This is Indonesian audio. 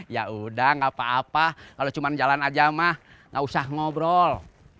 ya udah gak apa apa kalau cuma jalan aja mah nggak usah ngobrol